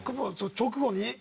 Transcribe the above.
直後に。